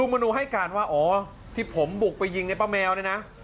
มนูให้การว่าอ๋อที่ผมบุกไปยิงไอ้ป้าแมวเนี่ยนะ